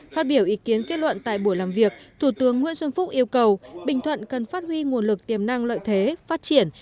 phát biểu ý kiến kết luận tại buổi làm việc thủ tướng nguyễn xuân phúc yêu cầu bình thuận cần phát huy nguồn lực tiềm năng lợi thế phát triển